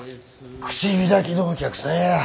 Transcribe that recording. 口開きのお客さんや。